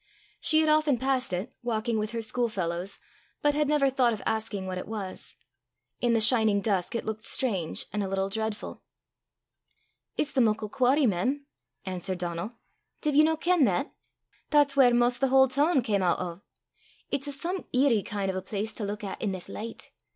She had often passed it, walking with her school fellows, but had never thought of asking what it was. In the shining dusk it looked strange and a little dreadful. "It's the muckle quarry, mem," answered Donal: "div ye no ken that? That's whaur 'maist the haill toon cam oot o'. It's a some eerie kin' o' a place to luik at i' this licht.